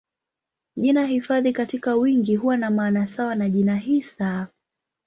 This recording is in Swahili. Jina hifadhi katika wingi huwa na maana sawa na jina hisa.